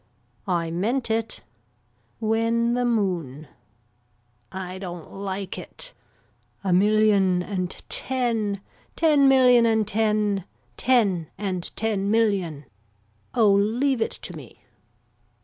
I meant it. When the moon. I don't like it. A million and ten. Ten million and ten. Ten and ten million. Oh leave it to me.